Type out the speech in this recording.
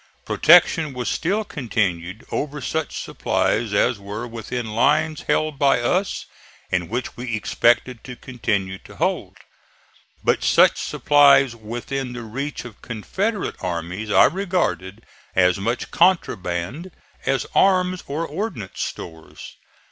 Protection was still continued over such supplies as were within lines held by us and which we expected to continue to hold; but such supplies within the reach of Confederate armies I regarded as much contraband as arms or ordnance stores.